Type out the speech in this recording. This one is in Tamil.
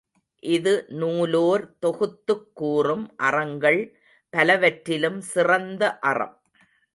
இது நூலோர் தொகுத்துக் கூறும் அறங்கள் பலவற்றிலும் சிறந்த அறம்.